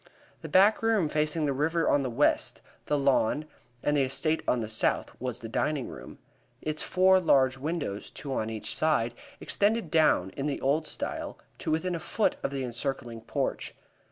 The back room facing the river on the west, the lawn and the estate on the south, was the dining room. Its four large windows, two on each side, extended down, in the old style, to within a foot of the encircling porch.